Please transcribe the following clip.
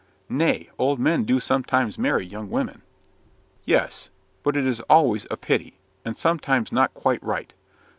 "Nay, old men do sometimes marry young women." "Yes, but it is always a pity; and sometimes not quite right.